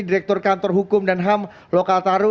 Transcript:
direktur kantor hukum dan ham lokal taru